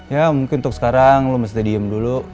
ya mungkin untuk sekarang lo mesti diem dulu